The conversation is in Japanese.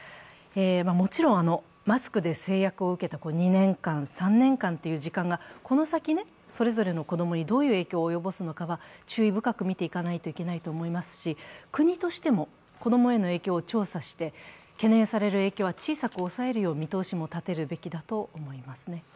もちろんマスクで制約を受けた２年間、３年間という時間がこの先、それぞれの子供にどういう影響を及ぼすのかは注意深く見ていかないといけないと思いますし国としても、子供への影響を調査して、懸念される影響は小さく抑えるよう見通しも立てるべきだと思いますね。